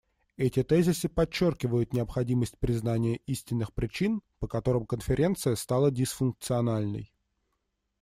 Эти тезисы подчеркивают необходимость признания истинных причин, по которым Конференция стала дисфункциональной.